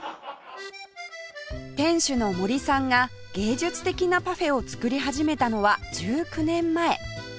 店主の森さんが芸術的なパフェを作り始めたのは１９年前